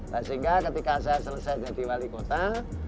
nah sehingga ketika saya selesai jadi wali kota